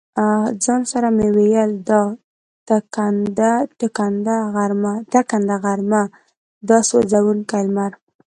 ځان سره مې ویل: دا ټکنده غرمه، دا سوزونکی لمر.